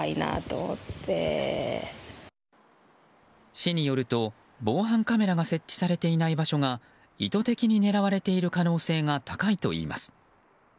市によると、防犯カメラが設置されていない場所が意図的に狙われている可能性が高いといいます。